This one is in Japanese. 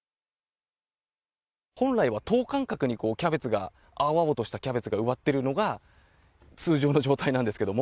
本来は等間隔にキャベツが、青々としたキャベツが埋まっているのが通常の状態なんですけれど